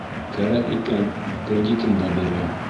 Кәрәк икән, кредитын да бирә.